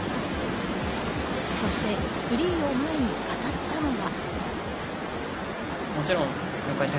そしてフリーの前に語ったのは。